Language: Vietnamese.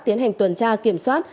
tiến hành tuần tra kiểm soát